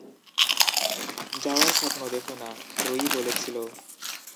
যাওয়ার স্বপ্ন দেখো না, রোয়ি বলেছিল।